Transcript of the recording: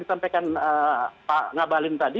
ditampilkan pak ngabalin tadi